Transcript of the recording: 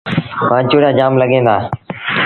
وآنچوڙيآ جآم لڳيٚن دآ۔